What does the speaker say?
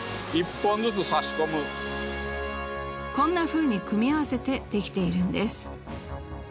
こんなふうに組み合わせてできているんです。